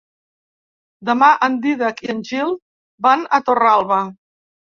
Demà en Dídac i en Gil van a Torralba.